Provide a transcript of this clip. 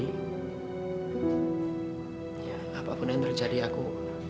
ya apapun yang terjadi aku